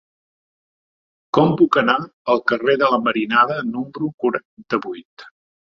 Com puc anar al carrer de la Marinada número quaranta-vuit?